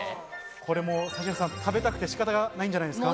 指原さん、食べたくて仕方がないんじゃないですか？